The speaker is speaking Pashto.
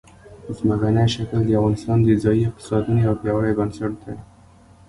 ځمکنی شکل د افغانستان د ځایي اقتصادونو یو پیاوړی بنسټ دی.